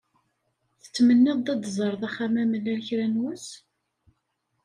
Tettmenniḍ-d ad d-teẓreḍ Axxam-Amellal kra n wass?